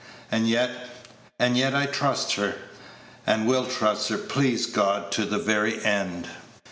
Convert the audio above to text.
And yet and yet I trust her, and will trust her, please God, to the very end."